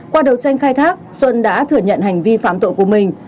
qua đầu tranh khai thác xuân đã thừa nhận hành vi phám tội của mình